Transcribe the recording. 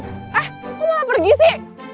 eh kok mau pergi sih